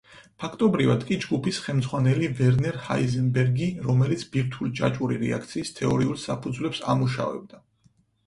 ფაქტობრივად კი ჯგუფის ხელმძღვანელი ვერნერ ჰაიზენბერგი, რომელიც ბირთვული ჯაჭვური რეაქციის თეორიულ საფუძვლებს ამუშავებდა.